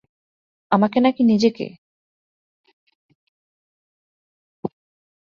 আমাকে নাকি নিজেকে?